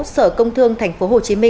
sở công thương tp hcm